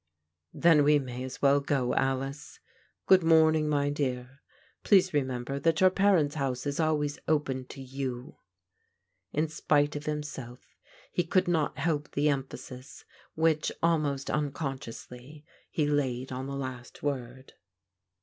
" Then we may as well go, Alice. Good moming, my dear. Please remember that your parents' house is al vrays open to you." In spite of himself he could not help the emphasis which, almost tmconsciously, he laid on the last word.